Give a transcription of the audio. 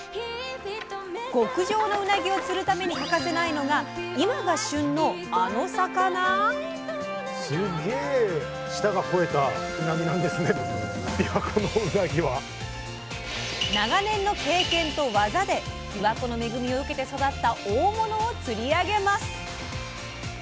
極上のうなぎを釣るために欠かせないのが今が旬のあの魚⁉長年の経験と技でびわ湖の恵みを受けて育った大物を釣り上げます。